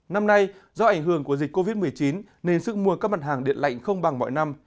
năm nay do ảnh hưởng của dịch covid một mươi chín nên sức mua các mặt hàng điện lạnh không bằng mọi năm